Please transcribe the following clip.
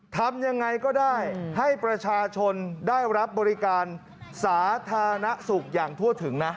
ทำยังไงก็ได้ให้ประชาชนได้รับบริการสาธารณสุขอย่างทั่วถึงนะ